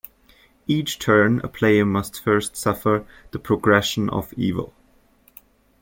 Each turn a player must first suffer the "progression of evil".